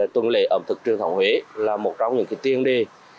tuần lễ ẩm thực truyền thống huế là một trong những tiên đề